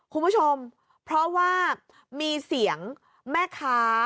คุณผู้ชมเพราะว่ามีเสียงแม่ค้า